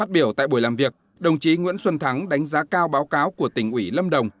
tại buổi làm việc đồng chí nguyễn xuân thắng đánh giá cao báo cáo của tỉnh ủy lâm đồng